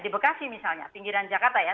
di bekasi misalnya pinggiran jakarta ya